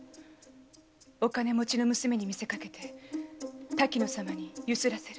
お金持ちの娘に見せかけて滝乃様にユスらせる。